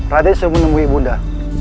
raden sudah menemui ibu bunda